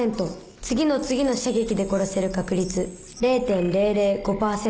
次の次の射撃で殺せる確率０．００５％